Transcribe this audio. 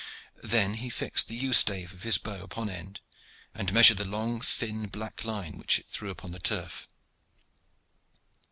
Then he fixed the yew stave of his bow upon end and measured the long, thin, black line which it threw upon the turf.